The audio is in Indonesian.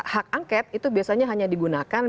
hak angket itu biasanya hanya digunakan